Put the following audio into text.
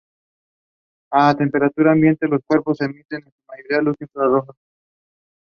A temperatura ambiente los cuerpos emiten en su mayoría luz infrarroja.